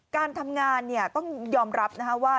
การทำงานเนี่ยก็นยอมรับว่า